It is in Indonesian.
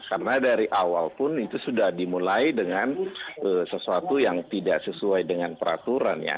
karena dari awal pun itu sudah dimulai dengan sesuatu yang tidak sesuai dengan peraturan ya